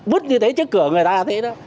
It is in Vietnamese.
vứt như thế trước cửa người ta là thế đó